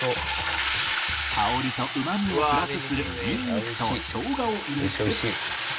香りとうまみをプラスするニンニクと生姜を入れて